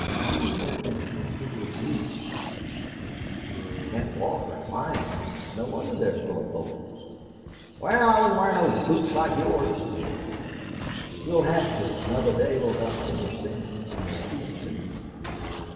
"Why do you work in high heeled boots?" inquired Neale. "You can't walk or climb in them. No wonder they're full of holes." "Wal, I couldn't wear no boots like yours," declared Red. "You'll have to. Another day will about finish them, and your feet, too."